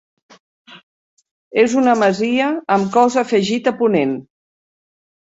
És una masia amb cos afegit a ponent.